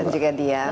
dan juga dian